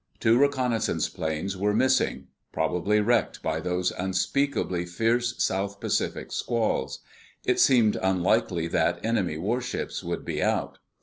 Two reconnaissance planes were missing—probably wrecked by those unspeakably fierce South Pacific squalls. It seemed unlikely that enemy warships would be out.